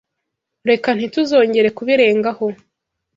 Reka ntituzongere kubirengaho.